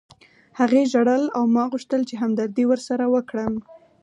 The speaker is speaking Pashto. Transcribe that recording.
هغې ژړل او ما غوښتل چې همدردي ورسره وکړم